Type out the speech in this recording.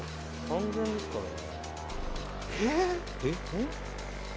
「３０００円ですからね」